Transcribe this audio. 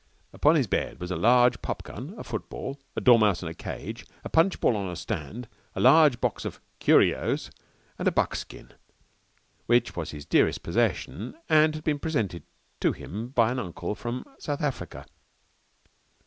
Upon his bed was a large pop gun, a football, a dormouse in a cage, a punchball on a stand, a large box of "curios," and a buckskin which was his dearest possession and had been presented to him by an uncle from South Africa.